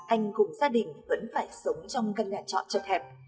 anh cùng gia đình vẫn phải sống trong căn nhà trọ chật hẹp